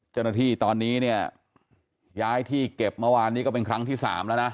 เจ้าหน้าที่ตอนนี้เนี่ยย้ายที่เก็บเมื่อวานนี้ก็เป็นครั้งที่๓แล้วนะ